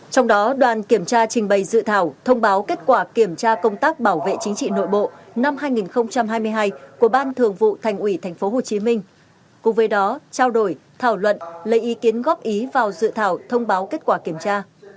trong đó đoàn kiểm tra trình bày dự thảo thông báo kết quả kiểm tra công tác bảo vệ chính trị nội bộ năm hai nghìn hai mươi hai của ban thường vụ thành ủy tp hcm cùng với đó trao đổi thảo luận lấy ý kiến góp ý vào dự thảo thông báo kết quả kiểm tra